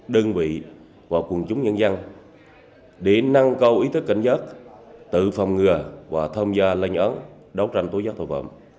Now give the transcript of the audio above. đơn vị và quần chúng nhân dân để năng cầu ý thức cảnh giác tự phòng ngừa và tham gia lây nhẫn đấu tranh tối giác tội phạm